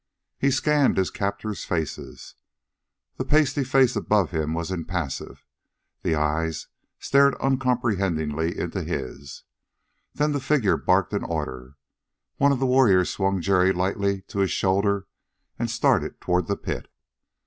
He scanned his captors' faces. The pasty face above him was impassive; the eyes stared uncomprehendingly into his. Then the figure barked an order. One of the warriors swung Jerry lightly to his shoulder, and started toward the pit.